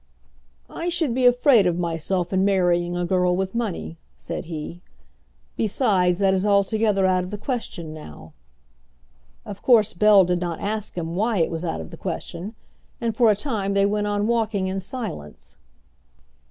"I should be afraid of myself in marrying a girl with money," said he; "besides, that is altogether out of the question now." Of course Bell did not ask him why it was out of the question, and for a time they went on walking in silence.